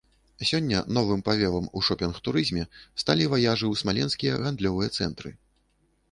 Сёння новым павевам у шопінг-турызме сталі ваяжы ў смаленскія гандлёвыя цэнтры.